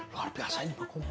ya luar biasa ini pak